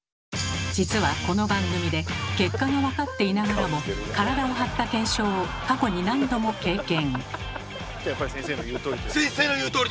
実はこの番組で結果が分かっていながらも体を張った検証を過去に何度も経験。